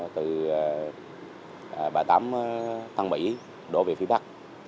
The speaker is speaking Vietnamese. từ bãi tám thăng mỹ đổ về phía bắc